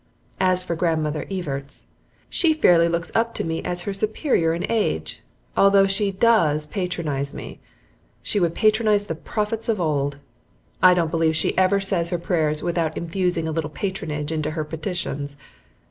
As for Grandmother Evarts, she fairly looks up to me as her superior in age, although she DOES patronize me. She would patronize the prophets of old. I don't believe she ever says her prayers without infusing a little patronage into her petitions.